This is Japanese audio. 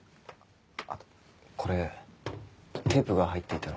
あとこれテープが入っていたので。